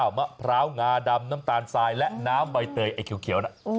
เผาเหมือนพร้าวงาดำน้ำตาลสายและน้ำใบเตยไอ้เขียว